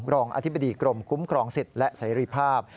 รองอธิบดีกรมคุ้มครองสิทธิ์และเสรีภาพ